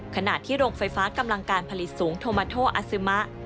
ขณะที่โรงไฟฟ้ากำลังการผลิตสูงโทมาโทอาซึมะ